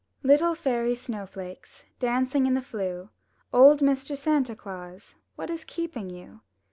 Little fairy snow flakes Dancing in the flue; Old Mr. Santa Claus, What is keeping you?